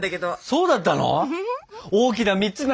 そうだったの？